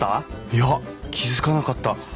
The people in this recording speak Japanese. いや気付かなかった。